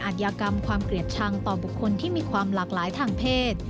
ยากรรมความเกลียดชังต่อบุคคลที่มีความหลากหลายทางเพศ